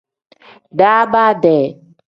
Daabaade.